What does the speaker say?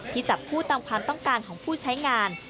จับคู่ตามความต้องการของผู้ใช้งาน